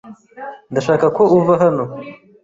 Ndashaka ko uva hano.